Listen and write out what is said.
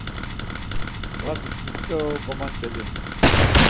Mati sin dido gomanç̌eli.